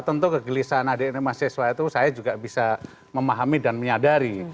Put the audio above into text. tentu kegelisahan adik adik mahasiswa itu saya juga bisa memahami dan menyadari